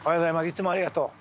いつもありがとう。